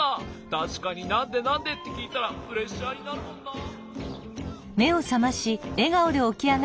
たしかに「なんで？なんで？」ってきいたらプレッシャーになるもんなあ。